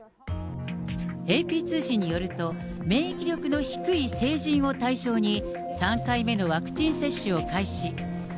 ＡＰ通信によると、免疫力の低い成人を対象に、３回目のワクチン接種を開始。